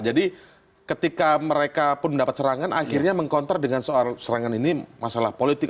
jadi ketika mereka pun mendapat serangan akhirnya mengkonter dengan soal serangan ini masalah politik